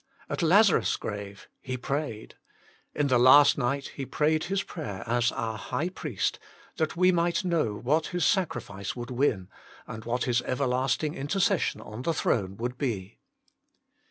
At Lazarus grave He prayed. In the last night He prayed His prayer as our High Priest, that we might know what His sacrifice would win, and what His everlasting intercession on the throne would be.